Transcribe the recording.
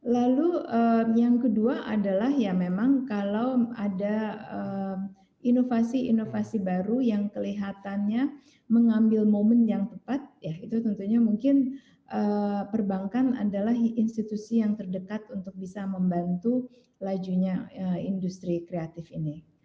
lalu yang kedua adalah ya memang kalau ada inovasi inovasi baru yang kelihatannya mengambil momen yang tepat ya itu tentunya mungkin perbankan adalah institusi yang terdekat untuk bisa membantu lajunya industri kreatif ini